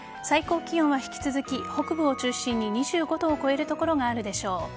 最高気温は引き続き北部を中心に２５度を超える所があるでしょう。